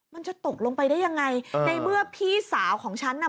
มันจะตกลงไปได้ยังไงในเมื่อพี่สาวของฉันน่ะ